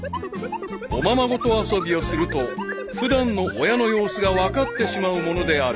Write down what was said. ［おままごと遊びをすると普段の親の様子が分かってしまうものである］